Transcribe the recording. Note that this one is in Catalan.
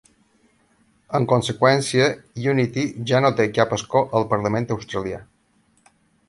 En conseqüència, Unity ja no té cap escó al parlament australià.